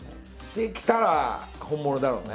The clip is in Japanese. できたら本物だろうね。